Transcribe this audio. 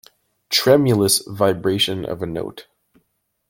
Tremulous vibration of a note.